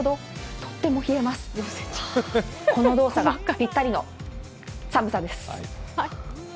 はっ、この動作がぴったりの寒さです。